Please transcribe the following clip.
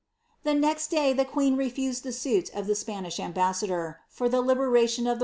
' The next day the queen rp.riiapij ih>i Rjiit of ihe Spanish ambatsadof, for the liberation of her